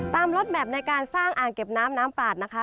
ลดแมพในการสร้างอ่างเก็บน้ำน้ำปลาดนะคะ